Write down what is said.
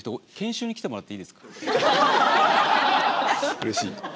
うれしいな。